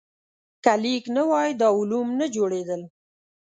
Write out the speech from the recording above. که لیک نه وای، دا علوم نه جوړېدل.